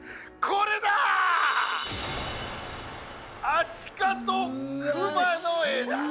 「アシカ」と「クマ」の絵だ！